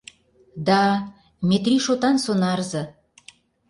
Да, Метрий — шотан сонарзе.